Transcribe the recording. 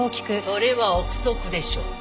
それは憶測でしょ。